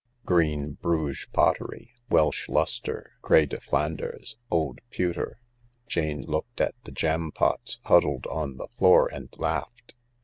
Green Bruges pottery, Welsh lustre, Gr6s de Flanders, old pewter. Jane looked at the jampots huddled on the floor and laughed.